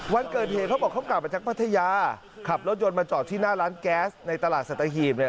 วันเกิดเหตุเขาบอกเขากลับมาจากพัทยาขับรถยนต์มาจอดที่หน้าร้านแก๊สในตลาดสัตหีบเนี่ย